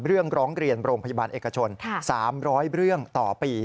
ร้องเรียนโรงพยาบาลเอกชน๓๐๐เรื่องต่อปี